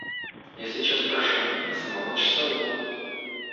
Я сейчас прошел мимо самого часового.